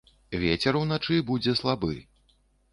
Вецер уначы будзе слабы.